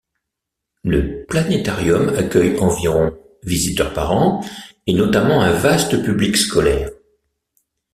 Le Planétarium accueille environ visiteurs par an et notamment un vaste public scolaire.